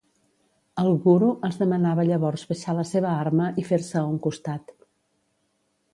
El guru els demanava llavors baixar la seva arma i fer-se a un costat.